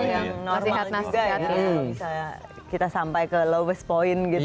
kalau kita sampai ke lowest point gitu